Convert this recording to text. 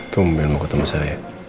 tungguin mau ketemu saya